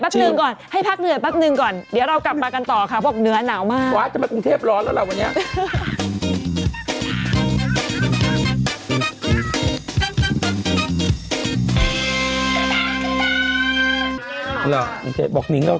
จากผู้หญิงน่ะไม่เอาไม่เอา